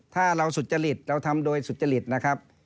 ถ้าเราสุจริตเราทำโดยสุจริตนะครับ